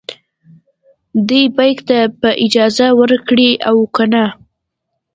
دې بیک ته به اجازه ورکړي او کنه.